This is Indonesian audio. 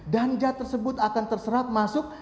dan jad tersebut akan terserap masuk